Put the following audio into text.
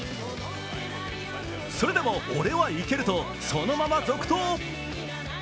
それでも俺はいけるとそのまま続投。